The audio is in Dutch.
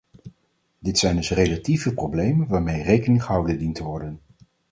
Dit zijn dus relatieve problemen waarmee rekening gehouden dient te worden.